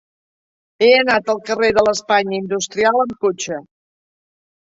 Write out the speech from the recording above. He d'anar al carrer de l'Espanya Industrial amb cotxe.